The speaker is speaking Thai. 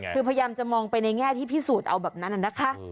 คือพยายามจะมองไปในแง่ที่พิสูจน์เอาแบบนั้นนะคะ